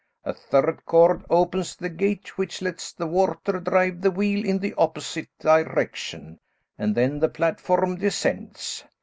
A third cord opens the gate which lets the water drive the wheel in the opposite direction and then the platform descends.